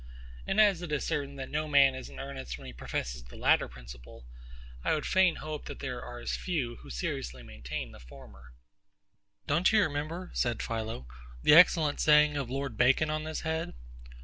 And as it is certain that no man is in earnest when he professes the latter principle, I would fain hope that there are as few who seriously maintain the former. Don't you remember, said PHILO, the excellent saying of LORD BACON on this head?